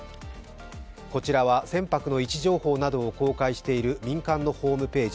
こちらは船舶の位置情報などを公開している民間のホームページ